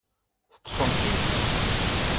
Teṭṭfem-t-id?